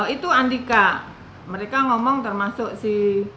itu andika mereka ngomong termasuk si